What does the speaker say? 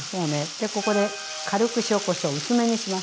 でここで軽く塩・こしょう薄めにします。